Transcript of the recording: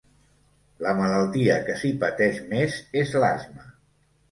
La malaltia que s'hi pateix més és l'asma.